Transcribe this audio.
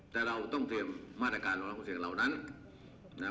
แต่เราต้องเตรียมมาตรการรองรับความเสี่ยงเหล่านั้นนะครับ